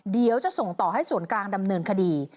เดี๋ยวจะส่งต่อให้ส่วนกลางดำเนินคดี